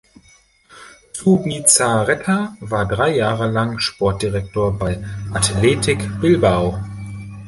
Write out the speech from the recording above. Zubizarreta war drei Jahre lang Sportdirektor bei Athletic Bilbao.